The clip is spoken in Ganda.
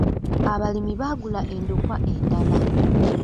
Abalimi baagula endokwa endala.